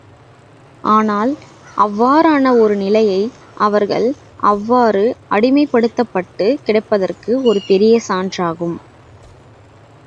ஆனால் அவ்வாறான ஒரு நிலையே அவர்கள் அவ்வாறு அடிமைப்படுத்தப்பட்டுக் கிடப்பதற்கு ஒரு பெரிய சான்றாகும்.